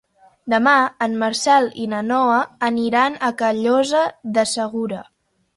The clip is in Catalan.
Demà en Marcel i na Noa aniran a Callosa de Segura.